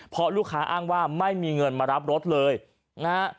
เพราะลูกค้าอ้างว่าไม่มีเงินมารับรถเลยนะฮะ